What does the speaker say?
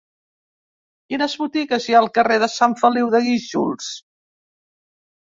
Quines botigues hi ha al carrer de Sant Feliu de Guíxols?